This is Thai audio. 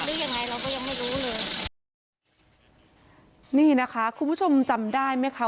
หรือยังไงเราก็ยังไม่รู้เลยนี่นะคะคุณผู้ชมจำได้ไหมคะ